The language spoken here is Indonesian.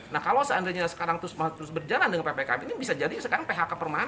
nah kalau seandainya sekarang terus berjalan dengan ppkm ini bisa jadi sekarang phk permanen